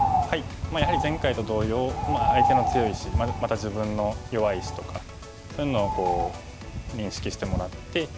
やはり前回と同様相手の強い石また自分の弱い石とかそういうのを認識してもらって。